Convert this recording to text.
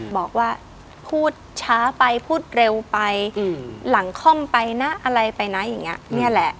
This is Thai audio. บอกว่าพูดช้าไปพูดเร็วไปหลังคล่อมไปนะอะไรไปนะอย่างนี้นี่แหละ